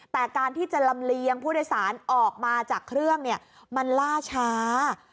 แต่การที่จะลำเลียงผู้โดยสารออกมาจากเครื่องมันล่าช้า